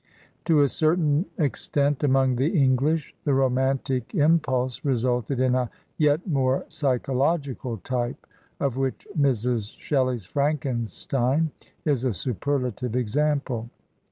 To a certain extent among the English the romantic impulse resulted in a yet more psychological type, of which Mrs. Shelley's "Frankenstein'' is a superlative example.